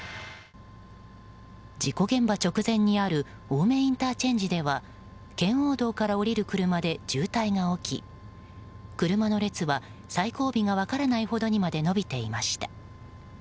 事故現場直前にある青梅ＩＣでは圏央道から降りる車で渋滞が起き車の列は最後尾が分からないほどにまで伸びていました。